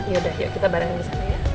yaudah yuk kita barengin disana ya